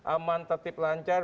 aman tertib lancar